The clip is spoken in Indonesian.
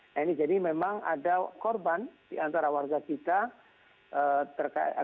nah ini jadi memang ada korban di antara warga kita